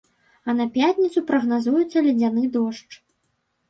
А на пятніцу прагназуецца ледзяны дождж.